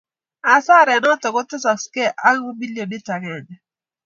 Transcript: asaret notok kotesaksei ako milionit akenge